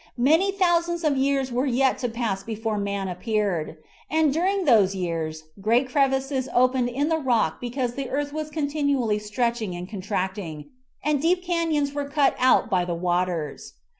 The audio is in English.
Many thou sands of years were yet to pass before man appeared. And during those years great crevices opened in the rock because the earth was continually stretching and contracting, and deep canons were cut out by the waters.